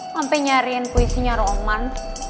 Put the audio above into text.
sampai nyariin puisinya roman